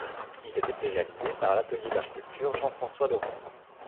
Il a été réalisé par l'atelier d'architecture Jean-François Laurent.